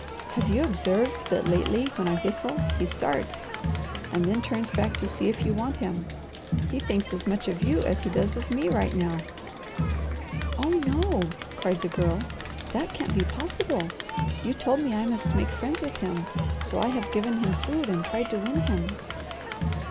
Have you observed that lately when I whistle, he starts, and then turns back to see if you want him? He thinks as much of you as he does of me right now." "Oh no!" cried the Girl. "That couldn't be possible. You told me I must make friends with him, so I have given him food, and tried to win him."